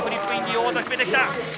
大技を決めてきた。